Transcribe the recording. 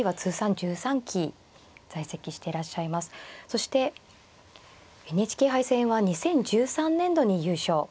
そしてＮＨＫ杯戦は２０１３年度に優勝。